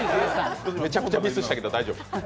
めちゃくちゃミスしたけど大丈夫！